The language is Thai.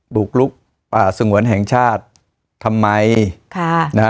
บุกลุกป่าสงวนแห่งชาติทำไมค่ะนะฮะ